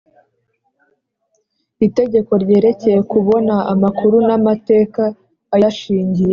itegeko ryerekeye kubona amakuru n’amateka ayashingiyeho.